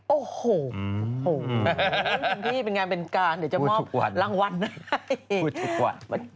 โอ้โหโอ้โหเป็นงานเป็นการเดี๋ยวจะมอบรางวัลให้